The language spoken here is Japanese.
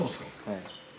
はい。